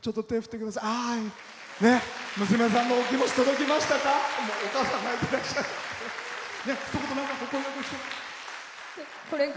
娘さんのお気持ち届きましたか？